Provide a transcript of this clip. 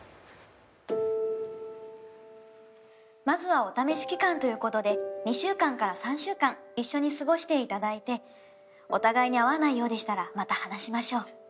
まずはお試し期間ということで２週間から３週間一緒に過ごしていただいてお互いに合わないようでしたらまた話しましょう。